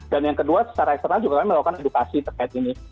dan yang kedua secara eksternal juga kami melakukan edukasi terkait ini